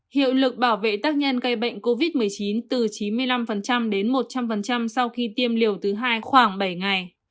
hiệu lực bảo vệ tác nhân gây bệnh covid một mươi chín từ chín mươi năm đến một trăm linh sau khi tiêm liều thứ hai khoảng bảy ngày